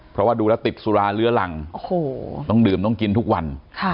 เพราะว่าดูแล้วติดสุราเลื้อหลังโอ้โหต้องดื่มต้องกินทุกวัน